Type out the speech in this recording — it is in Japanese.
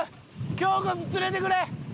今日こそ釣れてくれ！